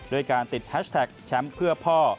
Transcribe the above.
ด้วยการติดแฮชแท็กแชมป์เพื่อพ่อ